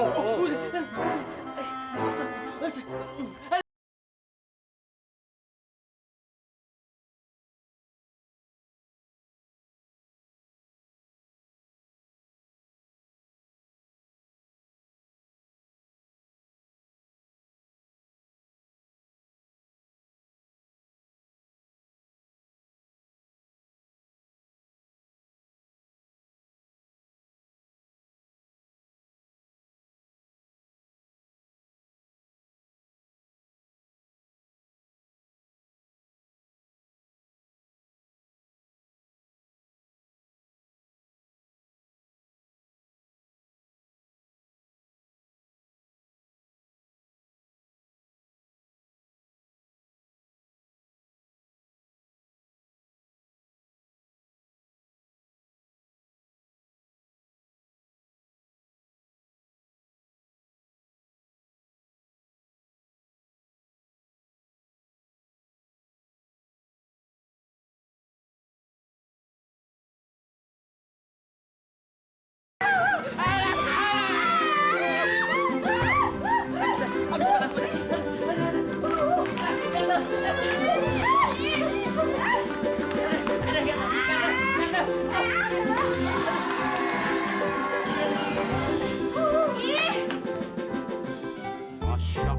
gatel banget ya